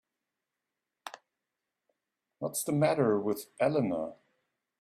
What's the matter with Eleanor?